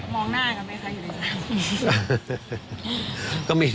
มองหน้ากันไหมคะอยู่ในน้ำ